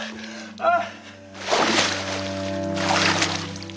ああ！